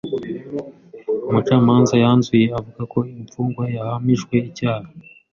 Umucamanza yanzuye avuga ko imfungwa yahamijwe icyaha.